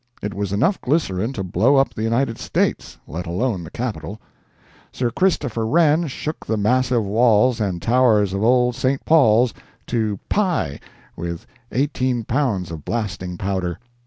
It was enough glycerine to blow up the United States, let alone the Capitol. Sir Christopher Wren shook the massive walls and towers of Old St. Paul's to "pi" with 18 pounds of blasting powder.